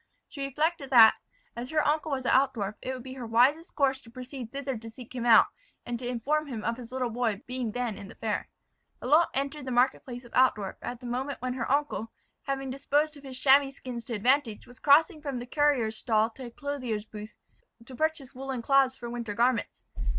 She reflected that, as her uncle was at Altdorf, it would be her wisest course to proceed thither to seek him out, and to inform him of his little boy being then in the fair. Lalotte entered the market place of Altdorf, at the moment when her uncle, having disposed of his chamois skins to advantage, was crossing from the carriers' stalls to a clothier's booth to purchase woollen cloths for winter garments.